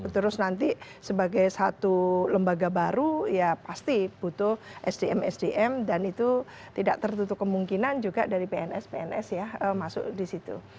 terus nanti sebagai satu lembaga baru ya pasti butuh sdm sdm dan itu tidak tertutup kemungkinan juga dari pns pns ya masuk di situ